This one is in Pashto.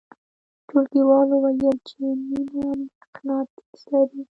ټولګیوالو ویل چې مینه مقناطیس لري